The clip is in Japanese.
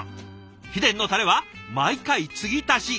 秘伝のタレは毎回つぎ足し。